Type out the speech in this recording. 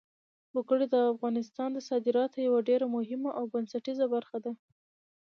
وګړي د افغانستان د صادراتو یوه ډېره مهمه او بنسټیزه برخه ده.